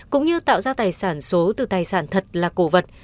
cũng như tạo ra tài sản số từ tài sản thật là cổ vật